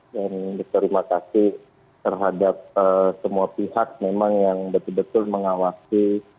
dan berterima kasih terhadap semua pihak memang yang betul betul mengawasi